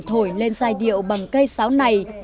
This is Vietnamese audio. thổi lên dài điệu bằng cây sáo này